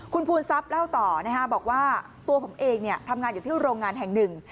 คุณภูนทรัพย์เล่าต่อบอกว่าตัวผมเองทำงานอยู่ที่โรงงานแห่งหนึ่ง